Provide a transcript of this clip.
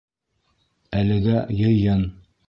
Әлегә йыйын.